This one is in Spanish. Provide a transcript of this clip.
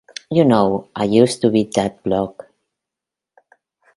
You know I used to beat that block.